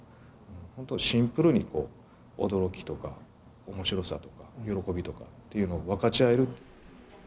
本当、シンプルに驚きとかおもしろさとか、喜びとかっていうのを分かち合える。